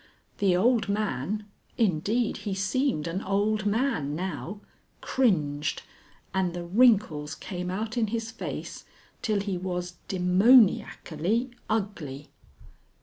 The old man indeed he seemed an old man now cringed, and the wrinkles came out in his face till he was demoniacally ugly.